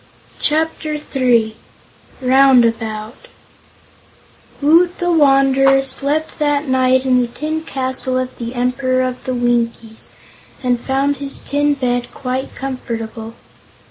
Chapter Three Roundabout Woot the Wanderer slept that night in the tin castle of the Emperor of the Winkies and found his tin bed quite comfortable.